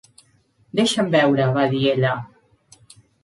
"Deixa'm veure", va dir ella.